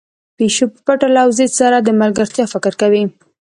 پيشو په پټه له وزې سره د ملګرتيا فکر کوي.